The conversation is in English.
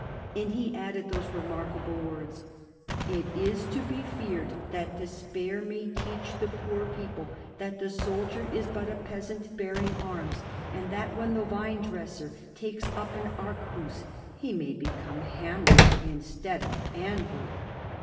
" And he added those remarkable words :" It is to be feared that despair may teach the poor people that the soldier is but a peasant bearing arms, and that when the vinedresser takes up an arquebus, he may become hammer instead of anvil."